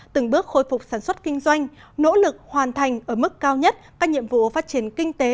từng bước khôi phục sản xuất kinh doanh nỗ lực hoàn thành ở mức cao nhất các nhiệm vụ phát triển kinh tế